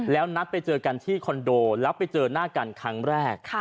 แล้วนัดไปเจอกันที่คอนโดแล้วไปเจอหน้ากันครั้งแรก